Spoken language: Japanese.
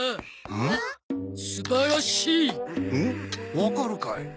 わかるかい？